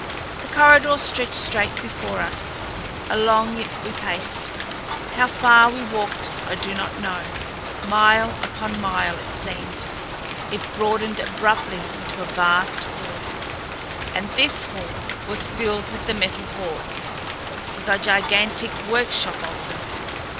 The corridor stretched straight before us; along it we paced. How far we walked I do not know; mile upon mile, it seemed. It broadened abruptly into a vast hall. And this hall was filled with the Metal Hordes was a gigantic workshop of them.